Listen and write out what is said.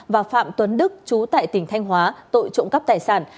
và phạm tuấn đức chú tại tỉnh thanh hóa tội trộm cắp tài sản